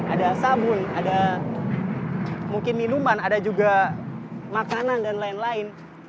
ada sabun ada mungkin minuman ada juga makanan dan lain lain